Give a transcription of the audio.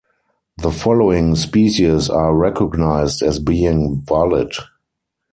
The following species are recognised as being valid.